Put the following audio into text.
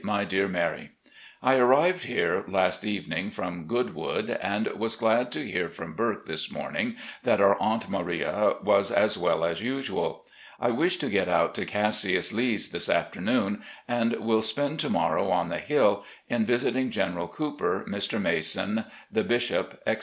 "My Dear Mary: I arrived here last evening from Goodwood, and was glad to hear from Burke this morning that our Aunt Maria was as well as usual. I wish to get out to Cassius Lee's this afternoon, and will spend to morrow on the Hill in visiting General Cooper, Mr. Mason, the Bishop, etc.